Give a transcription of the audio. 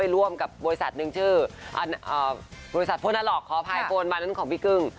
ร่วมกับบริษัทหนึ่งชื่อบริษัทโพนาล็อกขออภัยโฟนมานั้นของพี่กึ้ง